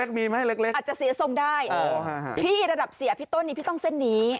มีไหมเล็กอาจจะเสียทรงได้พี่ระดับเสียพี่ต้นนี้พี่ต้องเส้นนี้